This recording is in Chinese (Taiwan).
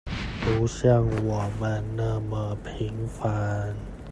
不像我們那麼平凡